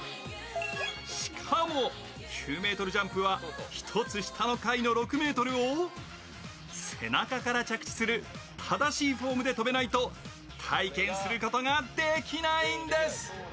しかも９ｍジャンプは１つ下の階の６ｍを背中から着地する正しいフォームで飛べないと体験することができないんです。